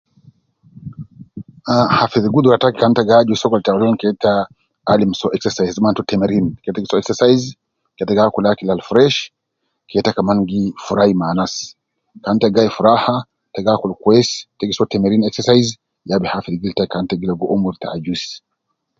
Ah hafidh gudura taki kan ta gi ajus sokol taulan ke ta alim soo exercise man to temerin, te gi soo exercise, ke ta gi akul akil al fresh, ke ta kaman gi furai me anas, kan ta gi gai furaha ,te gi akul kwesi, te gi soo temerin exercise, ya bi hafidh gildu taki kan te gi ligo umur te ajus